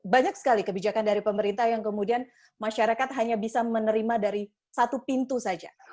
banyak sekali kebijakan dari pemerintah yang kemudian masyarakat hanya bisa menerima dari satu pintu saja